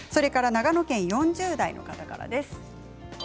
長野県４０代の方からです。